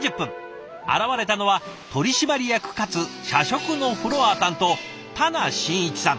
現れたのは取締役かつ社食のフロア担当田名慎一さん。